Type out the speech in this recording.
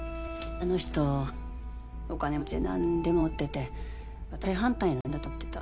あの人お金持ちで何でも持ってて私と正反対の人間だと思ってた。